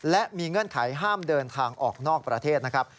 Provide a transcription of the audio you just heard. และมีเงื่อนไขห้ามเดินทางออกนอกประเทศนะครับ